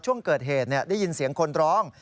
ช่วงเกิดเหตุได้ยินเสียงคนร้อง